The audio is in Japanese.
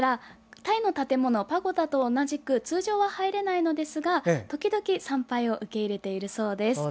タイの建物パゴダと同じく通常は入れないのですが時々、参拝を受け入れているそうです。